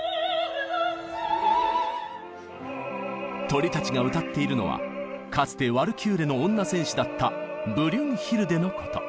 鳥たちが歌っているのはかつてワルキューレの女戦士だったブリュンヒルデのこと。